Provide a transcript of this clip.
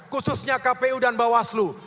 khususnya kpu dan bawaslu